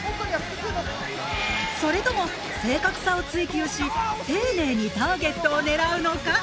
それとも正確さを追求し丁寧にターゲットを狙うのか？